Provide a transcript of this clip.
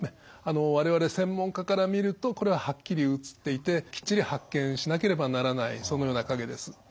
我々専門家から見るとこれははっきり写っていてきっちり発見しなければならないそのような影です。